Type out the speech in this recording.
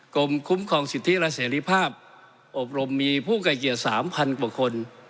กรมคุ้มครองสิทธิและเสรีภาพอบรมมีผู้ไกลเกลียด๓๐๐กว่าคน